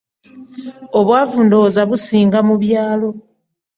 Obwavu ndowooza businga mu byalo.